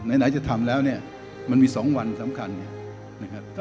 ไหนจะทำแล้วเนี่ยมันมี๒วันสำคัญนะครับ